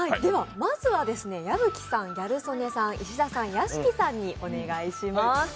まずは矢吹さん、ギャル曽根さん、石田さん、屋敷さんにお願いします。